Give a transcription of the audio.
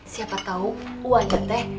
siapa tau uangnya teh